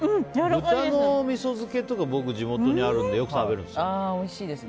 他のみそ漬けとか地元にあるんでよく食べるんです。